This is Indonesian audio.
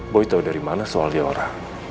boy tahu dari mana soal diora